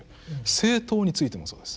政党についてもそうです。